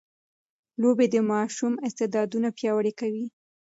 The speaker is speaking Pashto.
لوبې د ماشوم استعدادونه پياوړي کوي.